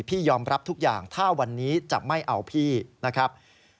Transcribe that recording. พี่ยอมรับทุกอย่างถ้าวันนี้จะไม่เอาพี่นะครับ